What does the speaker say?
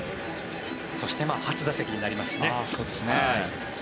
そして、初打席になりますね。